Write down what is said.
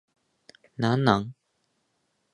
何なん